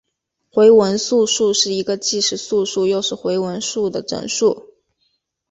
回文素数是一个既是素数又是回文数的整数。